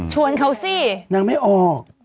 เขาสินางไม่ออก